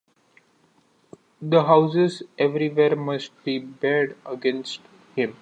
The houses everywhere must be barred against him.